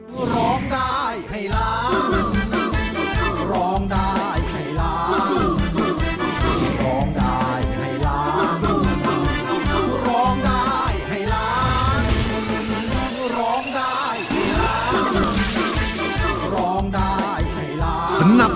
สวัสดีครับครับ